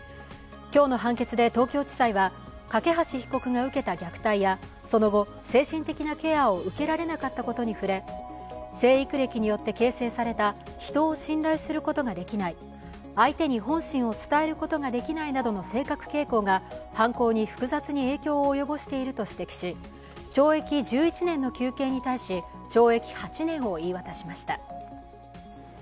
今日の判決で東京地裁は、梯被告が受けた虐待やその後、精神的なケアを受けられなかったことに触れ成育歴によって形成された人を信頼することができない、相手に本心を伝えることができないなどの性格傾向が犯行に複雑に影響を及ぼしていると指摘し懲役１１年の求刑に対し、懲役８年を言い渡しました。